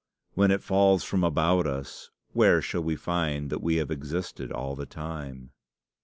When it falls from about us, where shall we find that we have existed all the time?